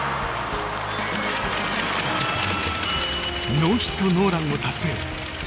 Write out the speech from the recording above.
ノーヒット・ノーランを達成！